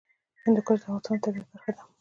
هندوکش د افغانستان د طبیعت برخه ده.